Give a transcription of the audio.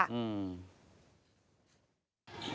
อืม